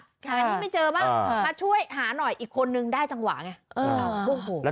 อันนี้ไม่เจอบ้างมาช่วยหาหน่อยอีกคนนึงได้จังหวะไง